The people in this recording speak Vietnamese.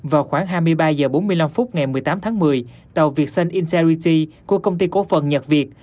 vào khoảng hai mươi ba h bốn mươi năm ngày một mươi tám tháng một mươi tàu việt sơn integrity của công ty cổ phần nhật việt